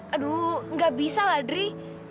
aduh enggak bisa lah dri